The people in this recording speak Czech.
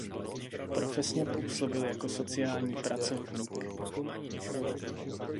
Profesně působil jako sociální pracovník.